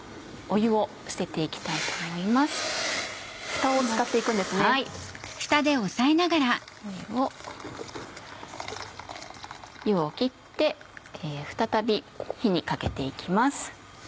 湯を切って再び火にかけて行きます。